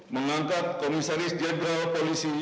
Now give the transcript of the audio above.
mengangkat komisaris jenderal polisi